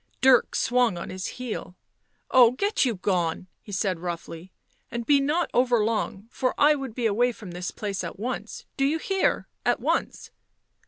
Dirk swung on his heel. <c Oh, get you gone," he said roughly, " and be not over long— for I would be away from this place at once— do you hear?— at once.